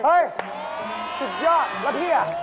สุดยอดแล้วพี่